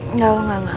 enggak enggak enggak